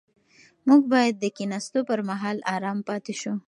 موږ باید د کښېناستو پر مهال ارام پاتې شو.